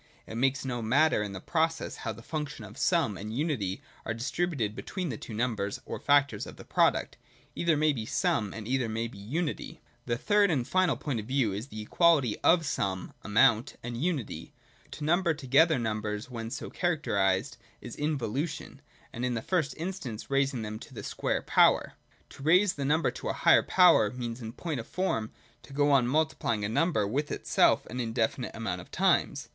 It makes no matter in the process, how the functions of Sum and Unity are distributed between the two numbers, or factors of the product ; either may be Sum and either may be Unity. The third and final point of view is the equality of Sum (amount) and Unity. To number together num bers when so characterised is Involution ; and in the 192 THE DOCTRINE OF BEING. [102, 103. first instance raising them to the square power. To raise the number to a higher power means in point of form to go on multiplying a number with itself an indefinite amount of times.